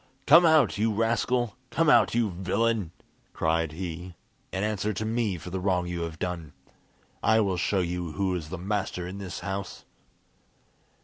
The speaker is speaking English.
"Come out, you rascal! come out, you villain!" cried he, "and answer to me for the wrong you have done. I will show you who is the master in this house!"